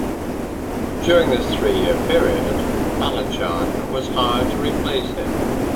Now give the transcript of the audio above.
During this three-year period, Balanchine was hired to replace him.